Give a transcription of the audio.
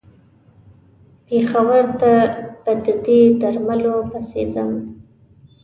پېښور ته به د دې درملو پسې ځم.